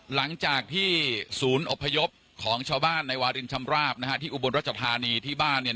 หลังจากที่ศูนย์อพยพของชาวบ้านในวารินชำราบนะฮะที่อุบลรัชธานีที่บ้านเนี่ย